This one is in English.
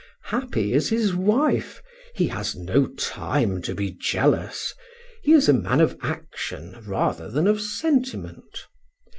Happy is his wife, he has no time to be jealous: he is a man of action rather than of sentiment.